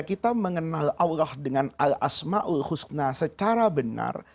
kalau kita mengenal allah dengan al asma'ul husna secara benar